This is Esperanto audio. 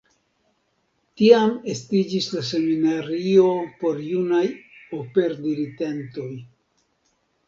Tiam estiĝis la seminario por junaj operdiritentoj.